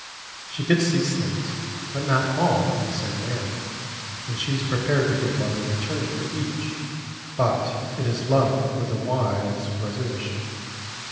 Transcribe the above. She gets these things, but not all from the same man, and she is prepared to give love in return for each, but it is love with a wise reservation.